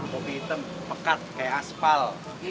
kopi hitam pekat kayak aspal